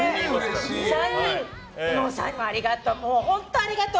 ありがとう。